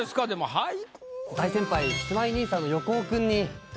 はい。